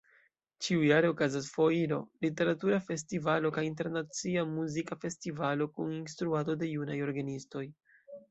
Ĉiujare okazas foiro, literatura festivalo kaj internacia muzika festivalo kun instruado de junaj orgenistoj.